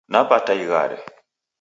Napata ighare